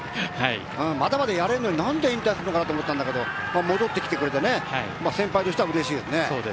まだまだやれるのに何で引退と思いましたが戻ってきてくれて先輩としてはうれしいです。